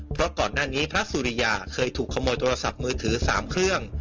เพราะก่อนหน้านี้พระสุริยาเคยถูกขโมยโทรศัพท์มือถือ๓เครื่อง